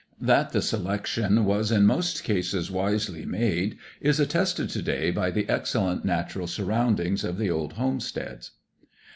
That the selection was in most cases wisely made, is attested to day by the excellent natural surroundings of the old homesteads.